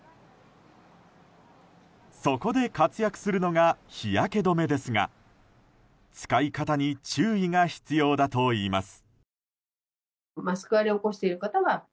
そこで活躍するのが日焼け止めですが使い方に注意が必要だといいます。